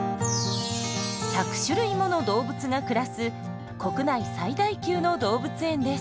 １００種類もの動物が暮らす国内最大級の動物園です。